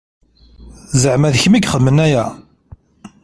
Zeɛma d kemm i ixedmen aya?